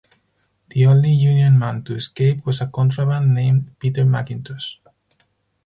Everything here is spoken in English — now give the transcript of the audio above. The only Union man to escape was a "contraband" named Peter McIntosh.